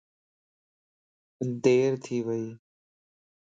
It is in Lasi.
ديرٿي ويئي